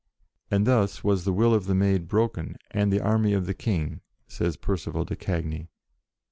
"And thus was the will of the Maid broken, and the army of the King," says Percival de Cagny.